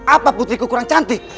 apa putriku kurang cantik